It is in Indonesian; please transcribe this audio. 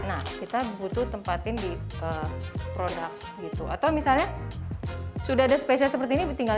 nah kita butuh tempatin di produk gitu atau misalnya sudah ada spesial seperti ini tinggal